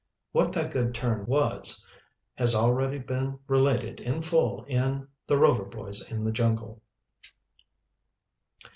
What that good turn was has already been related in full in "The Rover Boys in the Jungle."